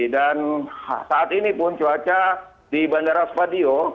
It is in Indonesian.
dan saat ini pun cuaca di bandara spadio